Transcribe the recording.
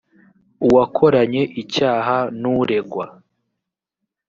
uwakoranye icyaha n’uregwa